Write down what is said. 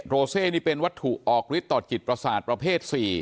โรเซนี่เป็นวัตถุออกฤทธิต่อจิตประสาทประเภท๔